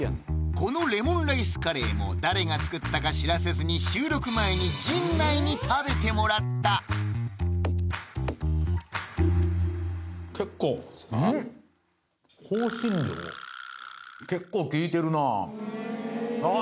このレモンライスカレーも誰が作ったか知らせずに収録前に陣内に食べてもらった結構あっ！